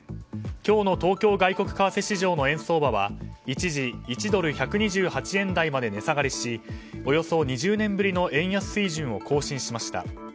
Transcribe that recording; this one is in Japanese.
今日の東京外国為替市場の円相場は一時１ドル＝１２８円台まで値下がりしおよそ２０年ぶりの円安水準を更新しました。